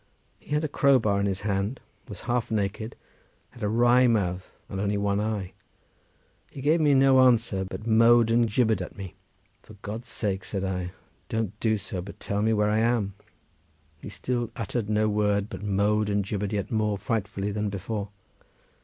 He had a crow bar in his hand, was half naked, had a wry mouth and only one eye. He made me no answer, but moved and gibbered at me. "For God's sake," said I, "don't do so, but tell me where I am!" He still uttered no word, but mowed and gibbered yet more frightfully than before.